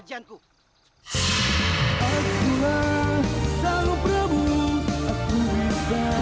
jangan remehkan pak man ya